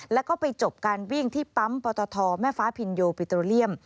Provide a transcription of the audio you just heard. แล้วก็ไปจบการวิ่งที่ปั๊มปตทแม่ฟ้าพินโยปิโตเรียม